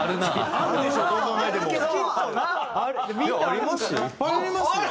ありますよ。